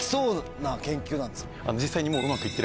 実際に。